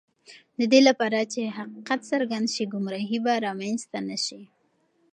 د دې لپاره چې حقیقت څرګند شي، ګمراهی به رامنځته نه شي.